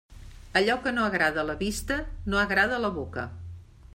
Allò que no agrada a la vista, no agrada a la boca.